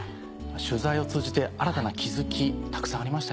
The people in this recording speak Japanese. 取材を通じて新たな気付きたくさんありましたよね。